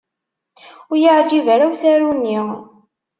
Ur y-iεǧib ara usaru-nni